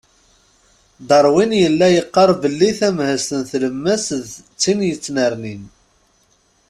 Darwin yella yeqqar belli tamhezt n telmas d tin yettnernin.